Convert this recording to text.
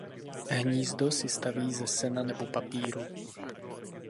Hnízdo si staví ze sena nebo papíru.